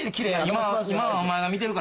今はお前が見てるから気ぃ